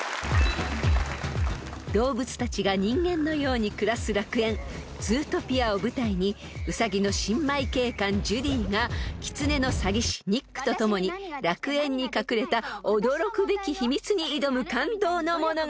［動物たちが人間のように暮らす楽園ズートピアを舞台にウサギの新米警官ジュディがキツネの詐欺師ニックと共に楽園に隠れた驚くべき秘密に挑む感動の物語］